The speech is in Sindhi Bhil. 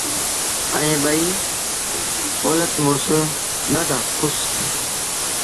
ائيٚݩ ٻئيٚ اولت مڙس ڏآڍآ کُش ٿيٚآ۔